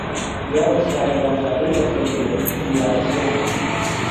یادی سارەبانزادەی بەخێر بێ زوورارچیانە